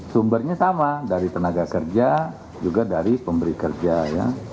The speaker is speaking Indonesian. sumbernya sama dari tenaga kerja juga dari pemberi kerja ya